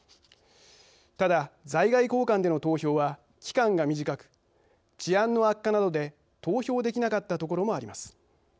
ただ、在外公館での投票は期間が短く治安の悪化などで投票できなかった所もあります。